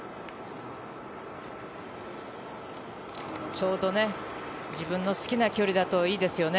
ちょうど自分の好きな距離だといいですよね。